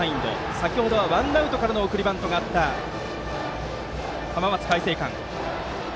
先程はワンアウトからの送りバントがあった浜松開誠館。